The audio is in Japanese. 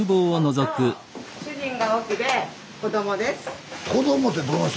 主人が奥で子どもです。